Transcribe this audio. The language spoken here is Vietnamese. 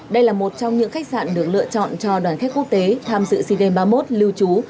đây là một trong những khách sạn được lựa chọn cho đoàn khách quốc tế tham dự sea games ba mươi một lưu trú